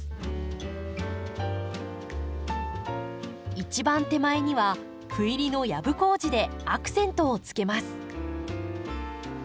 一番手前には斑入りのヤブコウジでアクセントをつけます。